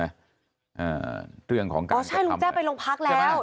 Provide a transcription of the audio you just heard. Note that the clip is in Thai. อ่าเรื่องของการจะทำอะไรอ๋อใช่ลุงแจ้ไปโรงพรรคแล้ว